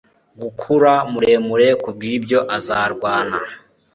gukura muremure, kubwibyo azarwana